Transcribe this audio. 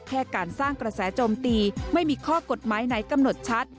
แค่การสร้างกระแสโจมตีไม่มีข้อกฎหมายไหนกำหนดชัด